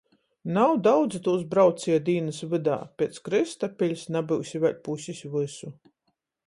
Nav daudzi tūs braucieju dīnys vydā, piec Krystapiļs nabyus i vēļ pusis vysu.